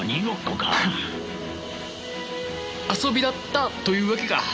遊びだったというわけか。